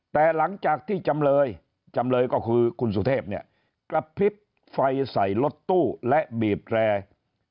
แต่หลังจากที่จำเลยกระพริบไฟใส่รถตู้และบีบแรง